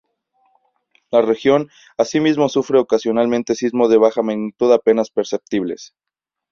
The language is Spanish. La región asimismo sufre ocasionalmente sismos de baja magnitud apenas perceptibles.